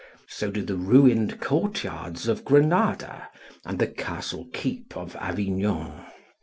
So do the ruined courtyards of Granada and the castle keep of Avignon.